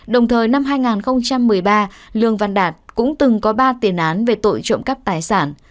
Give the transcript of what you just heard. đồng thời năm hai nghìn một mươi ba lương văn đạt cũng từng có ba tiền án về tội trộm cắp tài sản